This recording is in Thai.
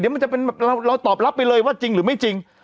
เดี๋ยวมันจะเป็นแบบเราตอบรับไปเลยว่าจริงหรือไม่จริง